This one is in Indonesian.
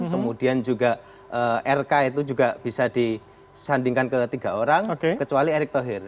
kemudian juga rk itu juga bisa di sanding kan ke tiga orang kecuali erik thohir